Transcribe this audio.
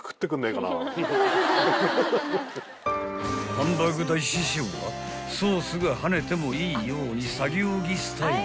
［ハンバーグ大師匠はソースが跳ねてもいいように作業着スタイル］